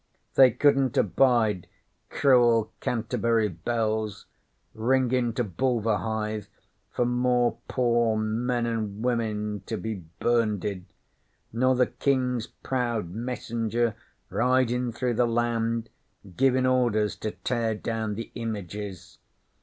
They couldn't abide cruel Canterbury Bells ringin' to Bulverhithe for more pore men an' women to be burnded, nor the King's proud messenger ridin' through the land givin' orders to tear down the Images.